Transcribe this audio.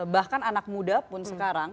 bahkan anak muda pun sekarang